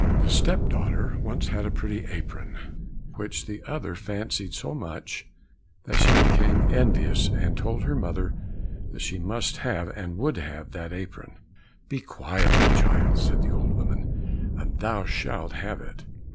The step daughter once had a pretty apron, which the other fancied so much that she became envious, and told her mother that she must and would have that apron. "Be quiet, my child," said the old woman, "and thou shalt have it.